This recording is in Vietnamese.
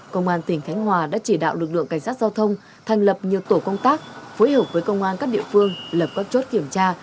công an tỉnh khánh hòa đã chỉ đạo lực lượng cảnh sát giao thông thành lập nhiều tổ công tác phối hợp với công an các địa phương lập các chốt kiểm tra